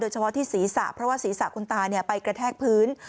เฉพาะที่ศีรษะเพราะว่าศีรษะคุณตาไปกระแทกพื้น